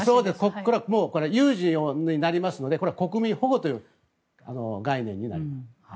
有事になりますのでこれは国民保護という概念になります。